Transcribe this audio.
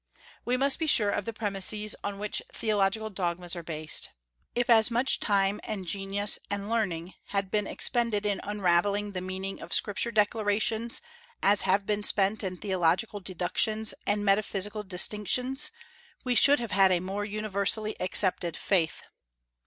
We must be sure of the premises on which theological dogmas are based. If as much time and genius and learning had been expended in unravelling the meaning of Scripture declarations as have been spent in theological deductions and metaphysical distinctions, we should have had a more universally accepted faith.